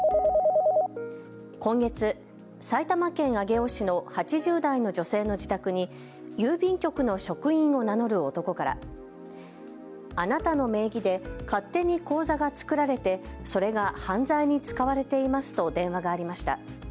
今月、埼玉県上尾市の８０代の女性の自宅に郵便局の職員を名乗る男からあなたの名義で勝手に口座が作られてそれが犯罪に使われていますと電話がありました。